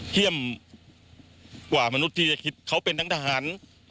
เยี่ยมกว่ามนุษย์ที่จะคิดเขาเป็นทั้งทหาร